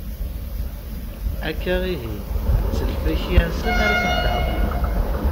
Akka ihi, s lfakya-nsen ara ten-tɛeqlem.